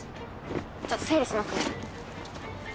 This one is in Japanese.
ちょっと整理しますね